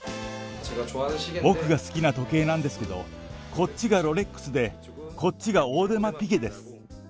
僕が好きな時計なんですけれども、こっちがロレックスで、こっちがオーデマピゲです。